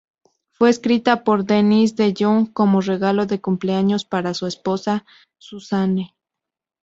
Fue escrita por Dennis DeYoung como regalo de cumpleaños para su esposa Suzanne.